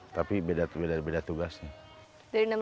tapi beda beda tugasnya